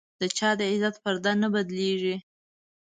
د چا د عزت پرده نه بدلېږي.